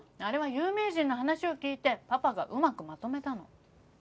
あれは有名人の話を聞いてパパがうまくまとめたの。